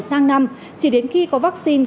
sang năm chỉ đến khi có vaccine